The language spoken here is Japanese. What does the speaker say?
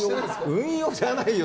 運用じゃないよ。